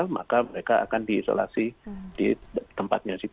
maka mereka akan diisolasi di tempatnya